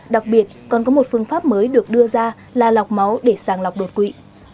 đặc biệt còn có một phương pháp mới được đưa ra là lọc máu để sàng lọc đột quỵ